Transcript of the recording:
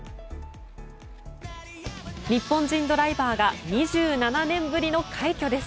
日本人ドライバーが２７年ぶりの快挙です。